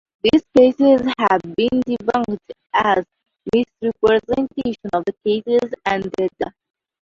This cases have been debunked as misrepresentation of the cases and data.